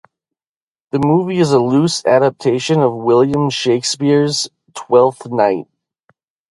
The movie is a loose adaptation of William Shakespeare's "Twelfth Night".